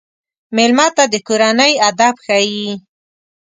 مېلمه ته د کورنۍ ادب ښيي.